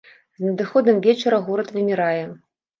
З надыходам вечара горад вымірае.